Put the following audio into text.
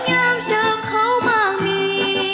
วัดยามเชิงเขามากดี